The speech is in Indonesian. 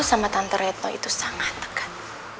sama tante reto itu sangat dekat